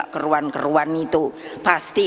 keruan keruan itu pasti